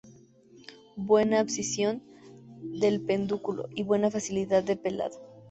Buena abscisión del pedúnculo y buena facilidad de pelado.